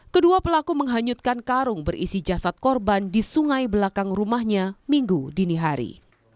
kedua pelaku menghanyutkan karung berisi jasad korban di sungai belakang rumahnya minggu dini hari